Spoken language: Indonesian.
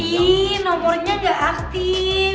ih nomornya gak aktif